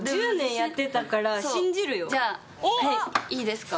ここじゃあいいですか？